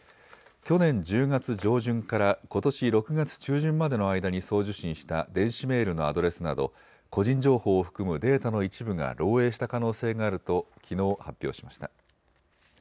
去年１０月上旬からことし６月中旬までの間に送受信した電子メールのアドレスなど個人情報を含むデータの一部が漏えいした可能性があるときのう発表しました。